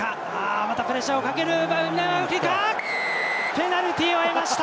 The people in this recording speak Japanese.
ペナルティを得ました。